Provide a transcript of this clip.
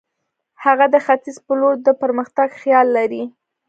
هغه د ختیځ پر لور د پرمختګ خیال لري.